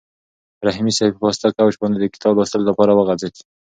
رحیمي صیب په پاسته کوچ باندې د کتاب لوستلو لپاره وغځېد.